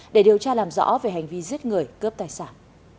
để điều tra làm rõ về hành vi giết người cướp tài sản